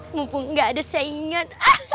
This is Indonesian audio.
mumpung gak ada saingan